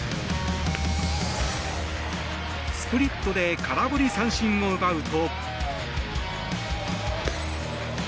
スプリットで空振り三振を奪うと。